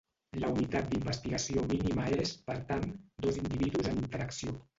La unitat d'investigació mínima és, per tant, dos individus en interacció.